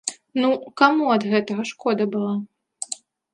Ну, каму ад гэтага шкода была?